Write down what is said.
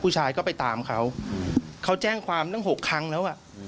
ผู้ชายก็ไปตามเขาเขาแจ้งความตั้ง๖ครั้งแล้วอ่ะ